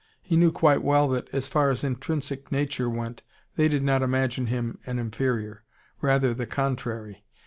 He knew quite well that, as far as intrinsic nature went, they did not imagine him an inferior: rather the contrary.